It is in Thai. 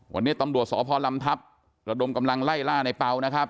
วันนี้ตำรวจสพลำทัพระดมกำลังไล่ล่าในเปล่านะครับ